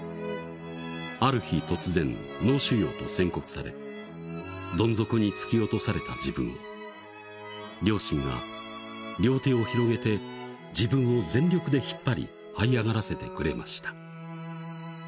「ある日突然脳腫瘍と宣告されどん底に突き落とされた自分を両親が両手を広げて自分を全力で引っぱり這い上がらせてくれました」